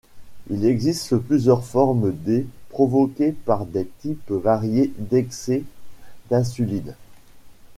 Il existe plusieurs formes d' provoquées par des types variés d'excès d'insuline.